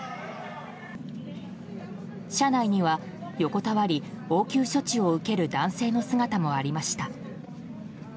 車内には横たわり応急処置を受ける男性の姿もありました。